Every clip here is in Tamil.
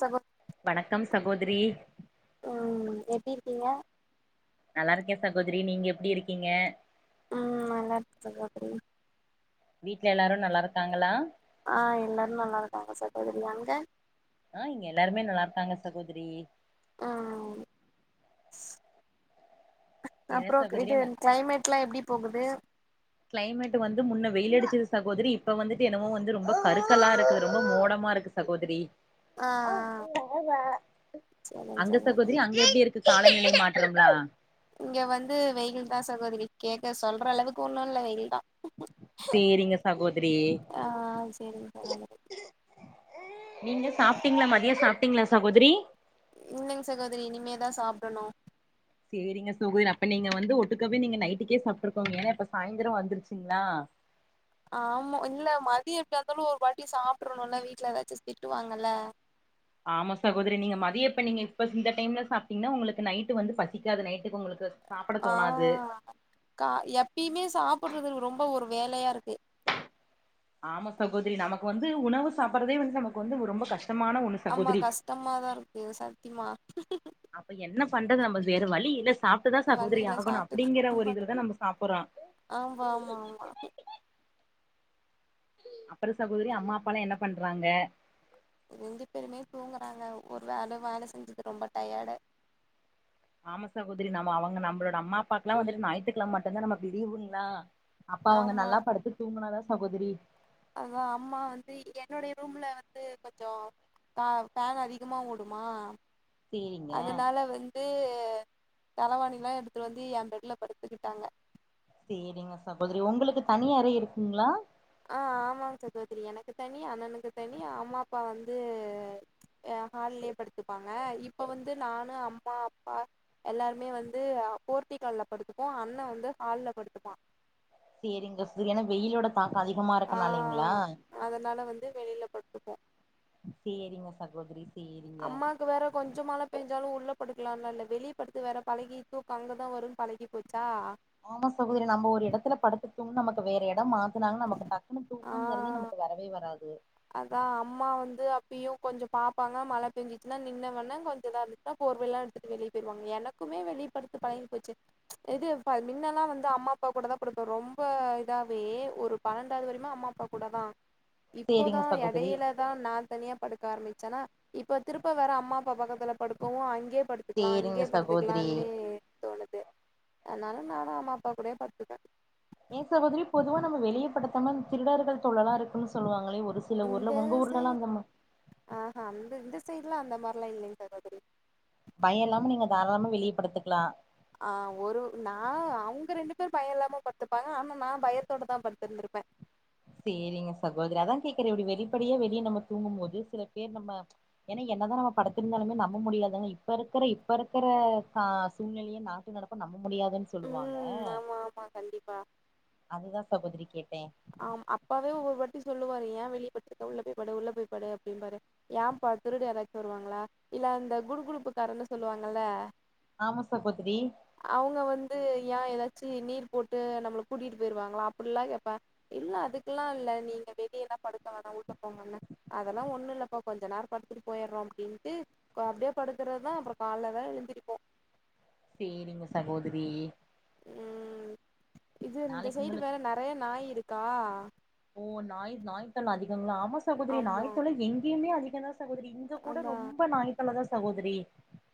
சகோ வணக்கம் சகோதரி, ம், எப்டி இருக்கீங்க? நல்லா இருக்கே சகோதரி, நீங்க எப்டி இருக்கீங்க? ஆ நல்லா இருக்கே சகோதரி வீட்ல எல்லாரு நல்லா இருக்காங்ளா ஆ, எல்லாரு நல்லாருக்காங்க சகோதரி, அங்க ஆ இங்க எல்லாருமே நல்லா இருக்காங்க சகோதரி, ஆ என்ன அப்பறோ சகோதரி இது நா கிளைமேட்லா எப்டி போகுது கிளைமேட் வந்து முன்ன வெயில் அடிச்சது சகோதரி இப்ப வந்துட்டு என்னமோ வந்து ரொம்ப கருக்கலா இருக்கு ரொம்ப மோடமா இருக்கு சகோதரி ஆ அங்க சகோதரி அங்க எப்டி இருக்கு காலநிலை மாற்றம்லா இங்க வந்து வெயில்தா சகோதரி கேக்க சொல்றளவுக்கு ஒண்ணு இல்ல வெயில்தா சேரிங்க சகோதரி, ஆ சேரிங்க சகோதரி நீங்க சாப்ட்டீங்ளா மதிய சாப்ட்டீங்ளா சகோதரி இல்லைங் சகோதரி இனிமேதா சாப்டணு சேரிங்க சகோதரி அப்ப நீங்க வந்து ஒட்டுக்கவே நீங்க நைட்டுக்கே சாப்ட்டுக்கோங்க ஏனா இப்ப சாயந்தரோ வந்துருச்சுங்ளா ஆமா இல்ல மதியோ எப்டியாருந்தாலு ஒரு வாட்டி சாப்ட்ருனு இல்ல வீட்ல ஏதாச்சு திட்டுவாங்கல்ல ஆமா சகோதரி நீங்க மதிய இப்ப நீங்க இப்ப இந்த டைம்ல சாப்ட்டீங்னா உங்களுக்கு நைட்டு வந்து பசிக்காது நைட்டுக்கு உங்களுக்கு சாப்பட ஆ தோணாது. கா எப்பயுமே சாப்புட்றது ரொம்ப ஒரு வேலயா இருக்கு ஆமா சகோதரி நமக்கு வந்து உணவு சாப்பட்றதே வந்து நமக்கு வந்து ரொம்ப கஷ்டமான ஒன்னு ஆமா கஷ்டமாதா இருக்கு சத்தியமா அப்ப என்ன பண்றது நம்ம வேற வழி இல்ல சாப்ட்டுதா சகோதரி வண்டியில ஆகனு சாப்ட்டுதா அப்டிங்கற ஒரு ஆமா இதுலதா நம்ம சாப்புட்றோ ஆமா ஆமா ஆமா அப்றோ சகோதரி அம்மா அப்பாலா என்ன பண்றாங்க? ரெண்டு பேருமே தூங்கறாங்க ஒரு வேல வேல செஞ்சது ரொம்ப டயர்டா ஆமா சகோதரி, நம்ம அவங்க நம்மளோட அம்மா அப்பாக்லா வந்துட்டு ஞாயித்துகெழம மட்டுந்தா நமக்கு லீவுங்ளா அப்ப அவங்க ஆமா நல்லா படுத்து தூங்குனாதா சகோதரி அதா அம்மா வந்து என்னுடைய ரூம்ல வந்து கொஞ்சோ கா ஃபேன் அதிகமா ஓடுமா சேரிங்க அதனால வந் து தலவாணிலா எடுத்துட்டு வந்து ஏ பெட்ல படுத்துக்கிட்டாங்க சேரிங்க சகோதரி ஒங்களுக்கு தனி அறை இருக்குங்ளா ஆ ஆமாங் சகோதரி எனக்கு தனி அண்ணனுக்கு தனி அம்மா அப்பா வந்தூ அ ஹால்லே படுத்துப்பாங்க இப்ப வந்து நானு அம்மா அப்பா எல்லாருமே வந்து அ போர்த்திகால்ல படுத்துப்போ அண்ண வந்து ஹால்ல படுத்துப்பா சேரிங்க சூ எனா வெயிலோட தாக்கோ அதிகமா ஆ இருக்கனாலைங்ளா அதனால வந்து வெளில படுத்துப்போ சேரிங்க சகோதரி சேரிங்க அங்க வேற கொஞ்சோ மழ பேஞ்சாலு உள்ள படுக்கலான்லா இல்ல வெளிய படுத்து வேற பழகீட்டு இப்ப அங்கதா வரும் பழகி போச்சா ஆமா சகோதரி நம்ம ஒரு எடத்துல படுத்து தூங்கு நமக்கு வேற எடம் மா த்துனா நமக்கு டக்குனு ஆ தூக்கங்கரது நமக்கு வரவே வராது அதா அம்மா வந்து அப்பயூ கொஞ்சோ பாப்பாங்க மழ பேஞ்சுச்சுன்னா நின்னவண்ண கொஞ்ச இதா [unintelligible] த போர்வைலா எடுத்துட்டு வெளிய போயிறுவாங்க எனக்குமே வெளியப்படுத்து பழங்கி போச்சு இது ப மின்னல்லா வந்து அம்மா அப்பா கூடதா படுப்ப ரொம்ப இதாவே ஒரு பன்னண்டாவது வரயுமே அம்மா அப்பா கூட தா இப்போதா சேரிங்க சகோதரி எடையில தா நா தனியா படுக்க ஆரம்பிச்சனா இப்ப திருப்ப வேற அம்மா அப்பா பக்கத்துல படுப்பவூ அங்கே படுத்து த்துகலா சேரிங்க இங்கயே சகோதரி படுத்துக்கலானே தோணுது அதனால நானு அம்மா அப்பா கூடயே படுத்துப்ப ஏ சகோதரி பொதுவா நம்ம வெளியப்படுத்தம்னா திருடர்கள் தொல்லளா இருக்குனு சொல்லுவாங்களே ஒரு சி சில இந்த ஊர்ல உங்க ஊர்லலா சைடு அந்தமா ஆஹா அந்த இந்த சைட்லா அந்த மார்லா இல்லைங்க சகோதரி பயோயில்லாம நீங்க தாராளமா வெளிய படுத்துக்கலா ஆ ஒரு நா அவுங்க ரெண்டு பேரூ பயோ இல்லாம படுத்துர்ப்பாங்க அனா நா பயத்தோட தா படுத்துருந்துருப்ப சேரிங்க சகோதரி அதா கேகற இப்டி வெளிப்படையா வெளிய நம்ம தூங்குபோது சில பேர் நம்ம எனா என்னதா நம்ம படுத்துருந்தாலுமே நம்ப முடியாதுங்க இப்ப இருக்கற இப்ப இருக்கற கா சூழ்நிலையூ நா ட்டு நடப்பு நம்ப முடியாதுன்னு சொல்லுவாங்க ஆ கண்டிப்பா அதுதா சகோதரி கேட்டே ஆம் அப்பாவே ஒவ்வொருவாட்டி சொல்லுவாரு ஏ வெளியபடுத்துருக்க உள்ள போயி படு உள்ள போய் படு அப்டின் பாரு ஏ பா திருட யாராச்சூ வருவாங்களா இல்ல இந்த குடு குடுப்பு காரன்னு சொல்லுவாங்கல்ல ஆமா சகோதரி அவுங்க வந்து யா எதாச்சு நீர் போட்டு நம்மள கூடிட்டு போயிருவாங்களா அப்டில்லா கேப்ப இல்ல அதுக்குலா இல்ல நீ இங்க வெளியலா படுக்க வேணா உள்ள போ முன்ன அதலா ஒண்ணுல்லப்பா கொஞ்ச நேரோ படுத்துட்டு போயர்றோ அப்டின்ட்டு அப்டியே படுக்கறதா அப்பறோ கால்ல தா எழுந்திரிப்போ சேரிங்க சகோதிரி ம் இது இந்த நாளைக்கு சைடு உங்களுக்கு வேற நறைய நாய் இருக்கா ஓ நாய் நாய்த் தொல்ல அதிகங்ளா ஆமா சகோதரி ஆமா நாய்த்தொல்ல எங்கியுமே அதிகோ தா சகோதரி இங்க கூட அதா ரொம்ப நாய்த்தொல்லதா சகோதரி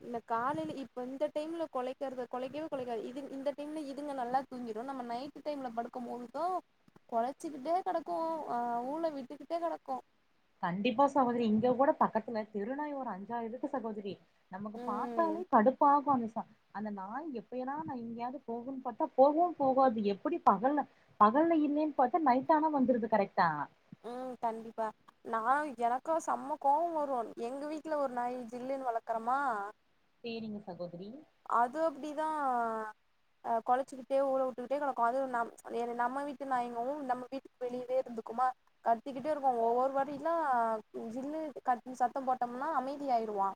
இந்த காலைல இப்ப இந்த டைம்ல கொலைக்கறது கொலைக்கவே கொலைக்காது இதுங் இந்த டைம்ல இதுங்க நல்லா தூங்கீறு நம்ம நைட்டு டைம்ல படுக்கும் போது தா குலைச்சுக்கிட்டே கெடக்கு அ ஊல விட்டுக்கிட்டே கடக்கு கண்டிப்பா சகோதரி இங்க கூட பக்கத்துல தெருநாய் ஒரு அஞ்சாறு இருக்கு சகோதரி நமக்கு ம் பாத்தாலே கடுப்பாகு அந்த சா அந்த நாய் எப்பயனா நா எங்கயாது போகுன் பாத்தா போகவு போகாது எப்படி பகல்ல பகல்ல இல்லேன்னு பாத்தா நைட் ஆனா வந்துருது கரெக்ட்டா ம் கண்டிப்பா நா எனக்கா சம்ம கோவோ வரு எங்க வீட்டுல ஒரு நாய் ஜில்லுன்னு வளக்கறமா சேரிங்க சகோதரி அது அப்டிதா ஆ கொலச்சிக்கிட்டே ஊள விட்டுக்கிட்டே கெடக்கு அது நம் நம்ம வீட்டு நாய்ங்கவு நம்ம வீட்டுக்கு வெளியவே இருந்துக்குமா கத்திக்கிட்டே இருக்கு ஒவ்வொரு வாட்டில்லா ஜில்லு கத்தி சத்தம் போட்டம்னா அமைதி ஆயிருவா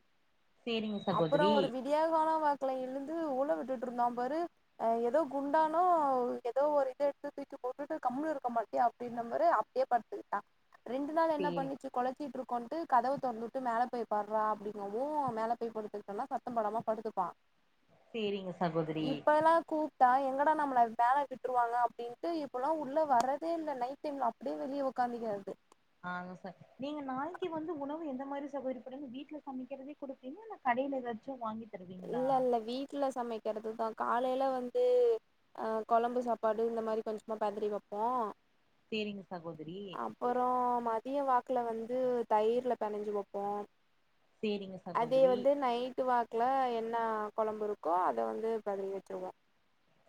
சேரிங்க அப்பறோ சகோதரி ஒரு விடியாகால வாக்குல எழுந்து ஊள விட்டுட்டு இருந்தா பாரு ஏதோ குண்டானோ ஏதோ ஒரு இத எடுத்து தூக்கி போட்டுட்டு கம்முன்னு இருக்க மாட்டியா அப்டின்னே பாரு அப்டியே படுத்துக்கிட்டா ரெண்டு நாள் என்ன சேரி பண்ணிச்சி கொலச்சிட்டு இருக்குன்ட்டு கதவ தொறந்து வுட்டு மேல போய் பட்ரா அப்டிங்கவு மேல போய் படுத்துகிட்டனா சத்தம் போடாம படுத்துப்பா சேரிங்க சகோ இப்பல்லா கூப் ட்டா எங்கடா நம்மள மேல விட்டுருவாங்க அப்டின்ட்டு இப்பல்லா உள்ள வர்றதே இல்ல நைட் டைம்ல அப்டியே வெளியே ஒக்காந்துக்கிறது ஆங்க சர் நீங்க நாய்க்கி வந்து உணவு எந்த மாரி சகோதரி போடுவீங்க வீட்ல சமைக்கிறதே குடுப்பீங்கலா இல்ல கடையில ஏதாச்சு வாங்கி தருவீங்களா இல்ல இல்ல வீட்ல சமைக்கிறது தா காலேல வந்து ஆ கொழம்பு சாப்பாடு இந்த மாதிரி கொஞ்சமா பதறி வப்போ சேரிங்க சகோதரி அப்பறோ மதிய வாக்குல வந்து தயிர்ல பெனஞ்சி வப்போ சேரிங்க அதே சகோதரி வந்து நைட் வாக் குல என்ன கொழம்பு இருக்கோ அத வந்து பதறி வச்சிருவோ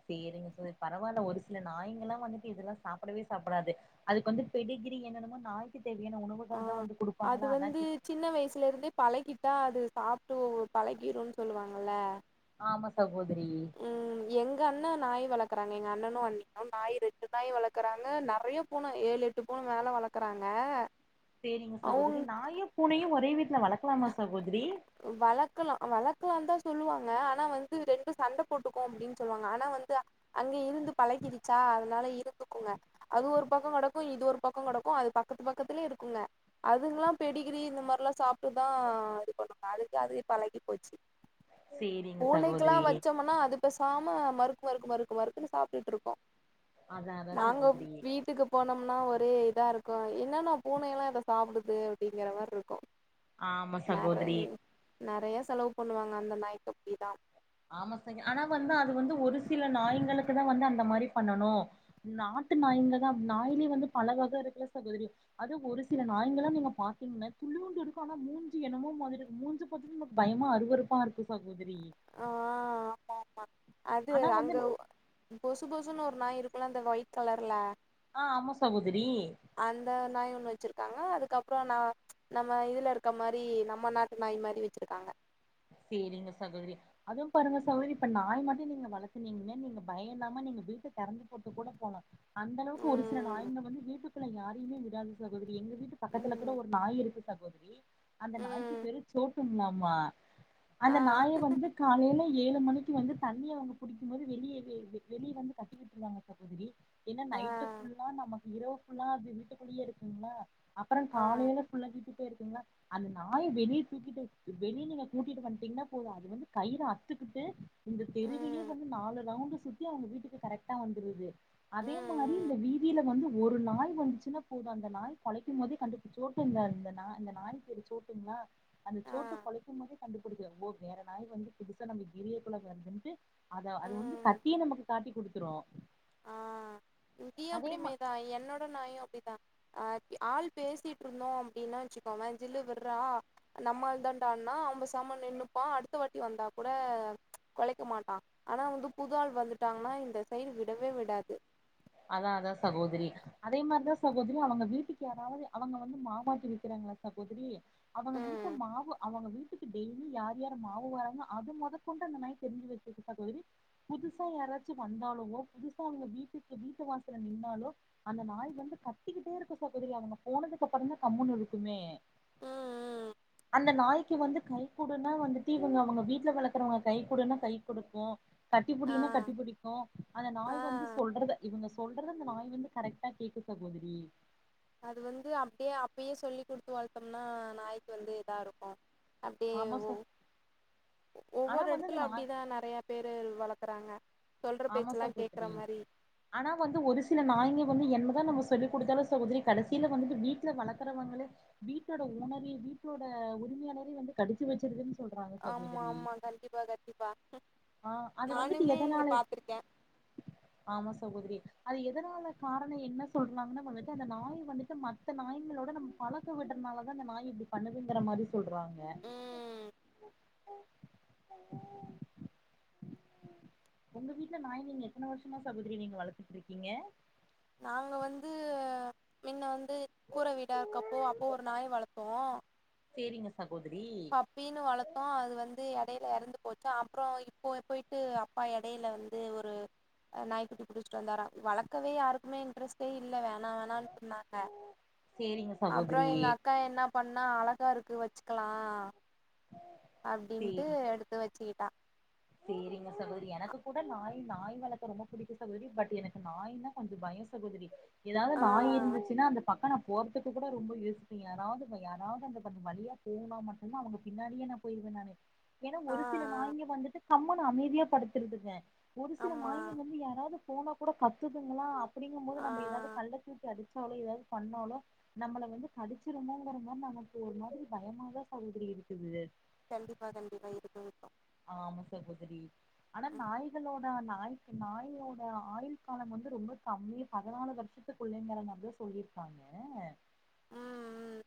சேரிங்க சகோதரி பரவாயில்ல ஒரு சில நாய்கல்லா வந்துட்டு இதெல்லா சாப்டவே சாப்டாது அதுக்கு வந்து பெடிகிரி என்னென்னமோ நாய்க்கி தேவையான உணவு ஆ அது வந்து சின்ன வயசுல இருந்தே பழகிட்டா அது சாப்ட்டு ஒ பழகிருன்னு சொல்லுவாங்கல்ல ஆம சகோதரி ம் எங்க அண்ணே நாய் வளக்குறாங்க எங்க அண்ணனு அண்ணியு நாய் ரெண்டு நாய் வளக்குறாங்க நெறைய பூன ஏழு எட்டு பூன மேல வளக்குறாங்க சேரிங்க அவுங்க சகோதரி நாயு பூனையு ஒரே வீட்ல வளக்கலாமா சகோதரி வளக்கலா வளக்கலான்னுதா சொல்லுவாங்க ஆனா வந்து ரெண்டு சண்டை போட்டுக்கு அப்டின்னு சொல்லுவாங்க ஆனா வந்து அங்க இருந்து பழகிருச்சா அதனால இரு ந்துக்குங்க அது ஒரு பக்கோ கெடக்கு இது ஒரு பக்கோ கெடக்கு அது பக்கத்து பக்கத்துலயே இருக்குங்க அதுங்கல்லா பெடிகிரி இந்த மாரில்லா சாப்ட்டுதா இது பண்ணுவங்க அதுக்கு அது பழகி போச்சி சேரிங்க பூனைக்கெல்லா சகோதரி வச்சம்னா அது பேசாம மறுக்கு மறுக்கு மறுக்கு மறுக்குன்னு சாப்ட்டுட்டு இருக்கு அதா அதா நாங்க சகோதரி வீட்டுக்கு போனம்னா ஒரே இதா இருக்கு என்னன்னா பூனையெல்லா இத சாப்டுது அப்டிங்கிற மாரி இருக்கு ஆமா நெறை சகோதரி நெறையா செலவு பண்ணுவாங்க அந்த நாய்க்கி அப்டி தா ஆமா சகி ஆனா வந்து அது வந்து ஒரு சில நாய்ங்களுக்குதா வந்து அந்த மாரி பண்ணணு நாட்டு நாய்ங்கதா நாயிலயே வந்து பல வக இருக்குல்ல சகோதரி அது ஒரு சில நாய்ங்கல்லா நீங்க பாத்திங்கன்னா துளியூண்டு இருக்கு ஆனா மூஞ்சி என்னமோ மாதிரி மூஞ்சி பாத்தம்னா பயமா அருவருப்பா இருக்கு சகோதரி ஆ ஆமா ஆமா அது ஆனா வந்து அங்க பொசு பொசுன்னு ஒரு நாய் இருக்குல்ல அந்த ஒயிட் கலர்ல ஆ ஆம சகோதரி அந்த நாய் ஒண்ணு வச்சிருக்காங்க அதுக்கப்றோ நா நம்ம இதுல இருக்க மாரி நம்ம நாட்டு நாய் மாரி வச்சிருக்காங்க சேரிங்க சகோதரி அதுவு பாருங்க சகோதரி இப்ப நாய் மட்டு நீங்க வளத்துனீங்கனா நீங்க பயோ இல்லாம நீங்க வீட்ட திறந்து போட்டு கூட போலா அந்த அளவுக்கு ஒரு சில ம் நாயிங்க வந்து வீட்டுக்குள்ள யாரையுமே விடாது சகோதரி எங்க வீட்டு பக்கத்துல கூட ம் ஒரு நாய் இருக்கு சகோதரி அந்த நாயிக்கு ம் பேரு சோட்டுங்கலாமா அந்த ஆ நாய வந்து காலைல ஏழு மணிக்கு வந்து தண்ணிய அவுங்க பிடிக்கும் போது வெளியே வெளியே வந்து கட்டி சகோதரி ஏன்னா ஆ நைட்டு ஃபுல்லா நமக்கு இரவு ஃபுல்லா அது வீட்டுக்குள்ளயே இருக்குதுங்களா அப்றோ ஆ காலைல ஃபுல்லா கொலச்சிட்டே இருக்குங்களா அந்த நாய வெளியே தூக்கிட்டு வெளில பூட்டிட்டு வந்துட்டீங்கனா போது அது வந்து கயிற அத்துட்டு இந்த தெருவையே ம் வந்து நாலு ரவுண்டு சுத் அவுங்க வீட்டுக்கு கரெக்ட்டா வந்துருது அதே மாரி ம் ம் இந்த வீதியில வந்து ஒரு நாய் வந்துச்சுனா போது அந்த நாய் கொலைக்கு போதே கண்டுப்புடிச்சிடு சோட்டுங்க இந்த இந்த நாய் பேரு சோட்டுங்களா அந்த ஆ சோட்டு கொலைக்கு போதே கண்டுபுடுச்சிடு ஓ வேற நாய் வந்து புதுசா நம்ம கிரிய குல வருதுன்ட்டு அத அது வந்து ம் கத்தியே நமக்கு காட்டி குடுத்துரு இங்கேயு அதே மா அப்டிமே தா என்னோட நாயு அப்டிதா ஆள் பேசிட்டு இருந்தோ அப்டினா வச்சுக்கோவே ஜில்லு விட்றா நம்மால் தான்டா நா அவ பேசாம நின்னுப்பா அடுத்த வாட்டி வந்தா கூட ச் கொலைக்க மாட்டா ஆனா வந்து புது ஆள் வந்துட்டாங்கனா இந்த சைடு விடவே விடாது அதா அதா சகோதிரி அதே மாரி தா சகோதிரி அவுங்க வீட்டுக்கு யாராவது அவுங்க வந்து மாவாட்டி விக்கிறாங்களா சகோதிரி அவுங்க வீட்டு ம் மாவு அவுங்க வீட்டுக் டெய்லி யார் யார் மாவு வராங்க அது முதக்கொண்டு அந்த நாய் தெரிஞ்சு வச்சிருக்கு சகோதிரி புதுசா யாராச்சு வந்தாலோ புதுசா அவுங்க வீட்டுக்கு வீட்டு வாசல்ல நின்னாலோ அந்த நாய் வந்து கத்திக்கிட்டே இருக்கு சகோதிரி அவுங்க போனதுக்கு அப்றோந்தா கம்முனு இருக்குமே ம் ம் அந்த நாய்க்கு வந்து கை குடுனா வந்துட்டு இவுங்க அவுங்க வீட்ல வளக்குறவங்க கை குடுனா கை குடுக்கு ஆ கட்டிப்புடினா கட்டி புடிக்கு அந்த ஆ நாய் வந்து சொல்றத இவுங்க சொல்றத அந்த நாய் வந்து கரெக்டா கேக்குது சகோதிரி அது வந்து அப்டியே அப்பயே சொல்லி குடுத்து வளத்தோம்னா நாய்க்கு வந்து இதா இருக்கு அப்டியே ஆமா ச ஆனா ஒவ்வொரு வந்து அந்த இடத்துல நாய் அப்டிதா நறையா பேரு வளக்குறாங்க சொல்ற ஆமா பேச்சுலா கேக்குற சகோதரி மாரி ஆனா வந்து ஒரு சில நாய்ங்க வந்து என்னதா நம்ம சொல்லி குடுத்தாலு சகோதிரி கடைசில வந்துட்டு வீட்ல வளக்குறவங்களே வீட்டோட ஓனரே வீட்டோட உரிமையாளரே வந்து கடிச்சு வச்சிருதுனு ஆமா ஆமா கண்டிப்பா கண்டிப்பா ஆ அது வந்துட்டு நானுமே இங்க எதனால பாத்துருக்கே [inaudible] ஆமா சகோதிரி அது எதுனால காரணோ என்ன சொல்றாங்கனா வந்துட்டு அந்த நாய் வந்துட்டு மத் த நாய்ங்களோட நம்ம பழக விடுறதுனால தா இந்த நாய் இப்டி பண்ணதுங்குற மாரி சொல்றாங்க ம் ஒங்க வீட்ல நாய் நீங்க எத்தன வருஷமா சகோதிரி நீங்க வளர்த்துட்ருக்கீங்க நாங்க வந்து மின்ன வந்து கூர வீடா இருக்கும்போ அப்போ ஒரு நாய் வளத் சேரிங்க சகோதிரி மீனு வளத்தோ அது வந்து எடையில எறந்து போச்சா அப்றோ இப்போ பொய்ட்டு அப்பா எடையில வந்து ஒரு நாய்க்குட்டி புடிச்ட்டு வந்தாரா வளக்கவே யாருக்குமே இன்ட்ரெஸ்டே இல்ல வேணா வேணானு சொன்னாங்க சேரிங்க அப்றோ சகோதரி எங்க அக்கா என்னா பண்ணா அழகா இருக்கு வச்சுக்கலா அப்டிண்ட்டு சேரி எடுத்து வச்சிகிட்டா சேரிங்க சகோதரி எனக்கு கூட நாய் நாய் வளக்க ரொம்ப புடிக்கு சகோதரி பட் எனக்கு நாய்னா கொஞ்சோ பயொ சகோதிரி ஏதாவது ஆ நாய் இருந்துச்சினா பக்கே நா போறத்துக்கு கூட ரொம்ப யோசிப்பே யாராவது யாராவது அந்த பக் வழியா போனா மட்டுந்தா அவங்க பின்னாடியே நா பொய்ருவ நானு ஏனா ஆ ஆ, ஒரு சில நாய்ங்க வந்துட்டு கம்முனு அமைதியா படுத்துருக்குங்க ஒரு சில ஆமா நாய்ங்க வந்து யாராது போனாக்கூட கத்துதுங்களா அப்டிங்கும் போது நம்ம ஏதாது ஆ கல்ல தூக்கி அடிச்சாலோ ஏதாது பண்ணாலோ நம்மள வந்து கடிச்சிருமோங்குறதா நமக்கு ஒரு மாதிரி பயமாதா சகோதரி இருக்குது கண்டிப்பா கண்டிப்பா இருக்கு இருக்கு ஆமா சகோதரி ஆனா ம் நாய்களோட் டா நாய்க்கு நாயோட ஆயுள் காலம் வந்து ரொம்ப கம்மி பதுனாலு வருஷத் துக்குள்ளைங்குற மாரிதா சொல்லிர்க்காங்க ம் ம்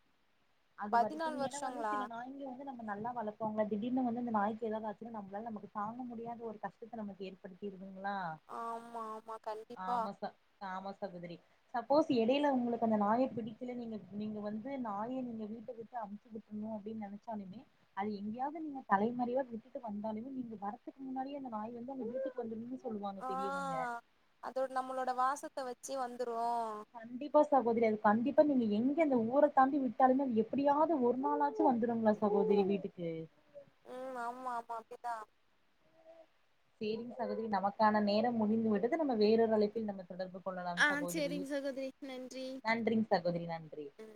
அது பதினாலு வரைக்குமே ஏனா வந்து வருஷங்களா சில நாய்ங்க இதுல்ல நம்ம நல்ல வளத்துவாங்க திடீர்னு வந்து அந்த நாய்க்கு எதாது ஆச்சினா நம்ளால நமக்கு தாங்க முடியாத ஒரு கஷ் டத்த நமக்கு ஏற்படுத்திருதுங்களா ஆமா ஆமா கண்டிப்பா ஆமா ச ஆமா சகோதரி சப்போஸ் எடையில உங்களுக்கு அந்த நாய பிடிக்கல நீங்க நீங்க வந்து நாய நீங்க வீட்ட விட்டு அம்ச்சிவிட்டுரனு அப்டின்னு நெனச்சாலுமே அது எங்கயாவது நீங்க தலைமறைவா விட்டுட்டு வந்தாலுமே நீங்க வரத்துக்கு முன்னாடியே அந்த நாய் வந்து ஒங்க வீட்டு கொஞ்சுமுன்னு சொல்லுவாங்க பெரியவங்க அதோட் நம்மளோட வாசத்த வெச்சி வந்துரூ கண்டிப்பா சகோதரி அது கண்டிப்பா நீங்க எங்க அந்த ஊரத்தாண்டி விட்டாலுமே அது எப்பிடியாது ஒரு நாளாச்சு வந்துருங்ளா ச சகோதரி வீட்டுக்கு ம் ஆமா ஆமா அப்டித்தா சேரிங்க சகோதிரி நமக்கான நேரம் முடிந்து விட்டது நம்ம வேறொரு அழைப்பில் நம்ம தொடர்பு கொள்ளலாம் ஆ சகோதிரி சேரிங்க சகோதரி நன்றி நன்றிங் சகோதிரி நன்றி ம்